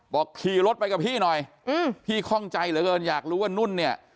ขี่รถไปกับพี่หน่อยพี่คล่องใจเหลือเกินอยากรู้ว่านุ่นเนี่ย